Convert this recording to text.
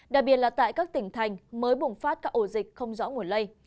đặc biệt là tại các tỉnh thành mới bùng phát các ổ dịch không rõ nguồn lây